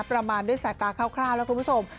ประมาณด้วยสายตาคร่าวแล้วคุณผู้ชม